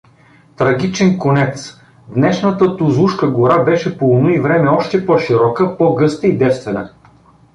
Трагичен конец Днешната тузлушка гора беше по онуй време още по-широка, по-гъста и девствена.